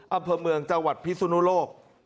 อำเภอเมืองจังหวัดพิสุนุโลก